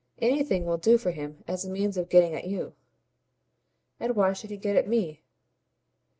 Anything will do for him as a means of getting at you." "And why should he get at me?"